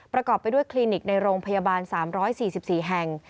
ประกอบไปด้วยคลินิกในโรงพยาบาล๓๔๔แห่ง